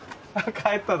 帰ったど。